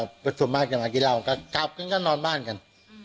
ส่วนมากก็กลับกลับมากิลรัวก็กลับเรื่องกั้นก็นอนบ้านกัน